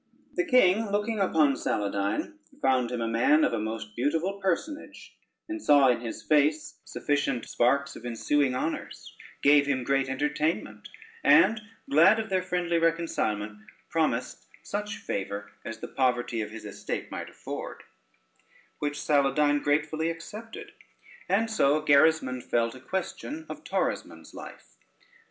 The king looking upon Saladyne, found him a man of a most beautiful personage, and saw in his face sufficient sparks of ensuing honors, gave him great entertainment, and glad of their friendly reconcilement, promised such favor as the poverty of his estate might afford, which Saladyne gratefully accepted. And so Gerismond fell to question of Torismond's life.